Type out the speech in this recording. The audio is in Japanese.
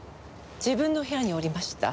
自分の部屋におりました。